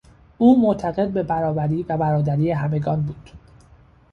او معتقد به برابری و برادری همگان بود.